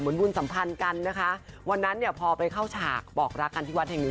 บุญสัมพันธ์กันนะคะวันนั้นเนี่ยพอไปเข้าฉากบอกรักกันที่วัดแห่งนี้